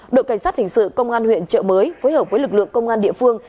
đội cảnh sát hình sự công an huyện trợ mới phối hợp với lực lượng công an địa phương